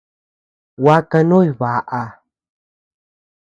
Gua kanuñ baʼa.